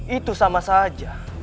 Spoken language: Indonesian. itu sama saja